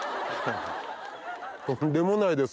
とんでもないです